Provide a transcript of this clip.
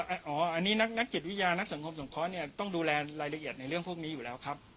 อันนี้นักจิตวิทยานักสังคมสงเคราะห์ต้องดูแลรายละเอียดในเรื่องพวกนี้อยู่แล้วครับ